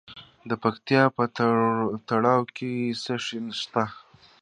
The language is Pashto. د پکتیکا په تروو کې څه شی شته؟